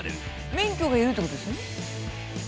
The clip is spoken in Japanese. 免許が要るってことですよね。